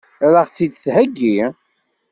Ad ɣ-tt-id-theggi?